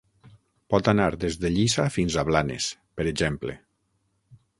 Pot anar des de Lliça fins a Blanes, per exemple.